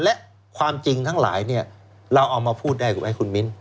และความจริงทั้งหลายเนี่ยเราเอามาพูดได้ถูกไหมคุณมิ้น